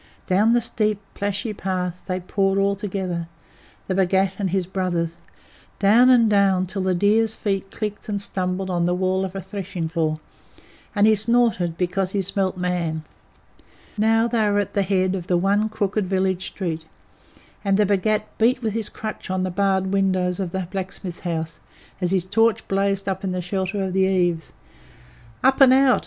Down the steep, plashy path they poured all together, the Bhagat and his brothers, down and down till the deer's feet clicked and stumbled on the wall of a threshing floor, and he snorted because he smelt Man. Now they were at the head of the one crooked village street, and the Bhagat beat with his crutch on the barred windows of the blacksmith's house, as his torch blazed up in the shelter of the eaves. "Up and out!"